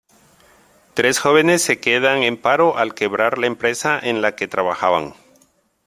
Tres jóvenes se quedan en paro al quebrar la empresa en la que trabajaban.